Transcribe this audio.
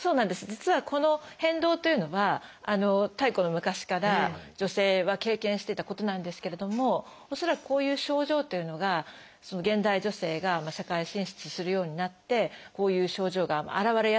実はこの変動というのは太古の昔から女性は経験してたことなんですけれども恐らくこういう症状というのが現代女性が社会進出するようになってこういう症状が現れやすくなった。